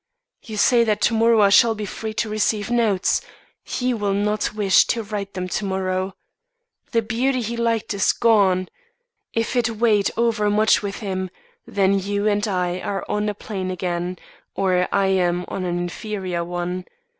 'You say that to morrow I shall be free to receive notes. He will not wish to write them, tomorrow. The beauty he liked is gone. If it weighed overmuch with him, then you and I are on a plane again or I am on an inferior one.